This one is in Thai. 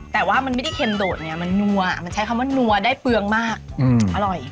แต่ว่ามันไม่ได้เค็มโดดไงมันนัวมันใช้คำว่านัวได้เปลืองมากอร่อย